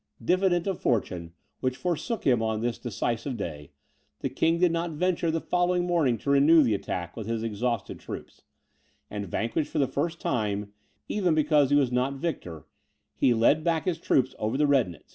Diffident of fortune, which forsook him on this decisive day, the king did not venture the following morning to renew the attack with his exhausted troops; and vanquished for the first time, even because he was not victor, he led back his troops over the Rednitz.